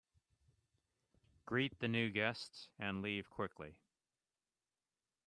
Greet the new guests and leave quickly.